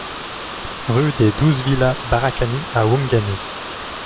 RUE DES douze VILLAS BARAKANI à Ouangani